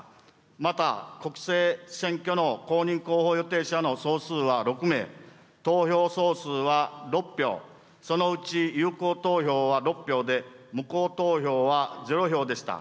また、国政選挙の公認候補予定者の総数は６名、投票総数は６票、そのうち有効投票は６票で、無効投票は０票でした。